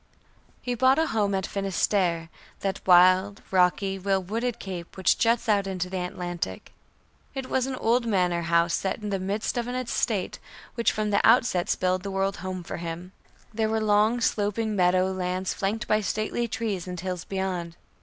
He bought a home in Finisterre, that wild, rocky, well wooded cape which juts out into the Atlantic. It was an old manor house set in the midst of an estate which from the outset spelled the word "home" for him. There were long sloping meadow lands flanked by stately trees and hills beyond.